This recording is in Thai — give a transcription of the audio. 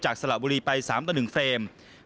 สละบุรีไป๓ต่อ๑เฟรม